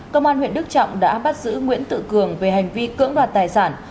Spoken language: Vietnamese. công an huyện đức trọng đã bắt giữ nguyễn tự cường về hành vi cưỡng đoạt tài sản